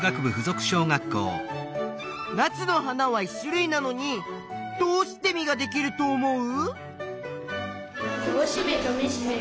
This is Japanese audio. ナスの花は１種類なのにどうして実ができると思う？